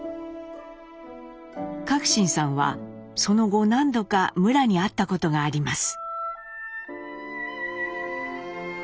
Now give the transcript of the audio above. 信さんはその後何度かむらに会ったことがあります。